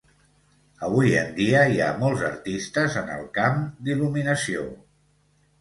Avui en dia, hi ha molts artistes en el camp d'il·luminació.